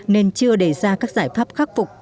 nên chưa đề ra các giải pháp khắc phục